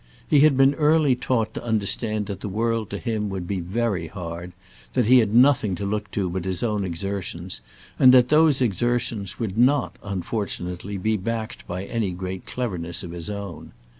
He had been early taught to understand that the world to him would be very hard; that he had nothing to look to but his own exertions, and that those exertions would not, unfortunately, be backed by any great cleverness of his own.